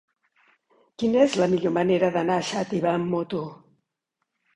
Quina és la millor manera d'anar a Xàtiva amb moto?